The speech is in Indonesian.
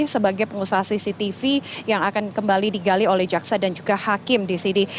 sebagai pengusaha cctv yang akan kembali digali oleh jaksa dan juga hakim di sini